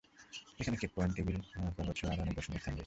এখানে Cape Point, Table পর্বত সহ আরো অনেক দর্শনীয় স্থান রয়েছে।